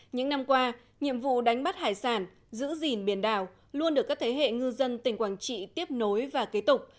những năm qua nhiệm vụ đánh bắt hải sản giữ gìn biển đảo luôn được các thế hệ ngư dân tỉnh quảng trị tiếp nối và kế tục